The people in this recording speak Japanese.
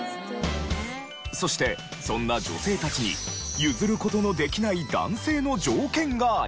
そしてそんな女性たちに譲る事のできない男性の条件がありました。